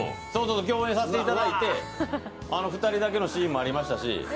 共演させていただいて、２人だけのシーンもありましたし。